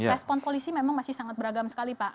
respon polisi memang masih sangat beragam sekali pak